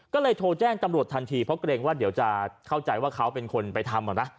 ก็เลยโทรแจ้งตำรวจทันทีเพราะเกรงว่าเดี๋ยวจะเข้าใจว่าเขาเป็นคนไปทำ